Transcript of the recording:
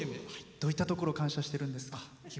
どういったところを感謝してるんですか？